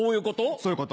そういうこと。